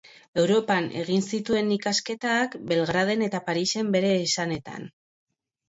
Europan egin zituen ikasketak, Belgraden eta Parisen bere esanetan.